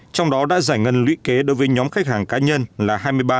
trong đó đã giải ngân lũy kế đối với nhóm khách hàng cá nhân là